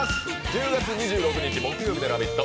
１０月２６日木曜日の「ラヴィット！」